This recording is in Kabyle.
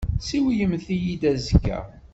Siwlemt-iyi-d azekka.